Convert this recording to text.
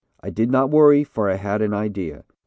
I did not worry, for I had an idea.